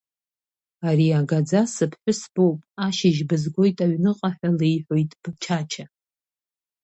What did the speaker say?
Ари агаӡа сыԥҳәыс боуп, ашьыжь бызгоит аҩныҟа ҳәа леиҳәоит Чача.